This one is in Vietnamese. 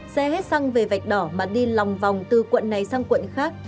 xe hết xăng về vạch đỏ mà đi lòng vòng từ quận này sang quận khác